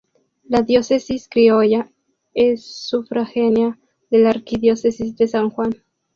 La Diócesis criolla es sufragánea de la Arquidiócesis de San Juan.